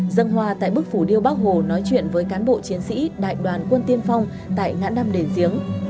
dân hòa tại bức phủ điêu bắc hồ nói chuyện với cán bộ chiến sĩ đại đoàn quân tiên phong tại ngã năm đền diếng